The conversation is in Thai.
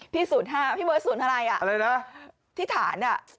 พี่๐๕พี่เบอร์สูญอะไรอ่ะที่ฐานอ่ะ